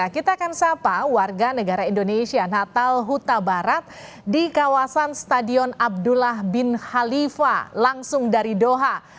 kita akan sapa warga negara indonesia natal huta barat di kawasan stadion abdullah bin khalifa langsung dari doha